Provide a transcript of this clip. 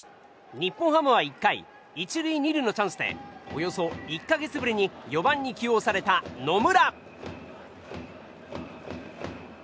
日本ハムは１回１塁２塁のチャンスでおよそ１か月ぶりに４番に起用された野村。